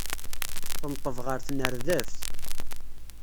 Tenṭeb ɣer tnerdabt.